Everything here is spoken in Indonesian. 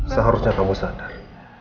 seharusnya kamu sadar